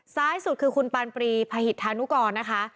ซ้ายสุดคือคุณปานปรีพหิตธานุกรนะคะ